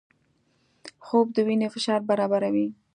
خوب د وینې فشار برابروي